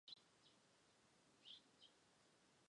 英语是音节以重音所在而有区别的强弱重音语言。